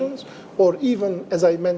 atau bahkan seperti yang saya katakan